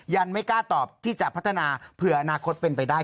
ยังไม่กล้าตอบที่จะพัฒนาเผื่ออนาคตเป็นไปได้